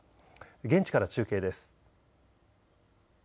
現地から中継です。